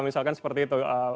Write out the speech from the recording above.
misalkan seperti itu